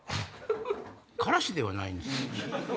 からしではないんですね。